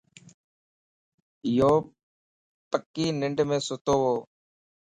يوپڪي ننڍم ستووَ